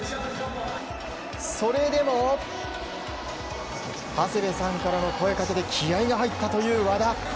それでも長谷部さんからの声掛けで気合が入ったという和田。